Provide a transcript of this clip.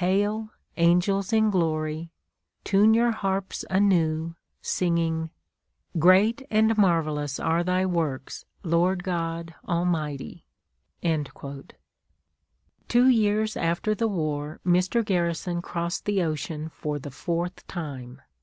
Hail, angels in glory; tune your harps anew, singing, 'Great and marvellous are thy works, Lord God Almighty!'" Two years after the war Mr. Garrison crossed the ocean for the fourth time.